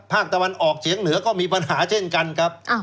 ภาคตะวันออกเฉียงเหนือก็มีปัญหาเช่นกันครับ